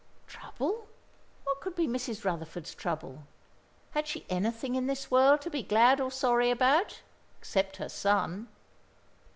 Trouble! What could be Mrs. Rutherford's trouble? Had she anything in this world to be glad or sorry about, except her son?